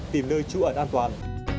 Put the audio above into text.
tìm nơi trú ẩn an toàn